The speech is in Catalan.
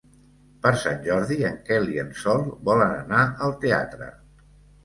Per Sant Jordi en Quel i en Sol volen anar al teatre.